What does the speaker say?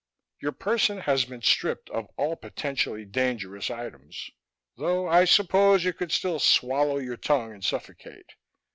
Your person has been stripped of all potentially dangerous items, though I suppose you could still swallow your tongue and suffocate.